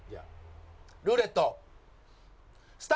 ルーレットスタート！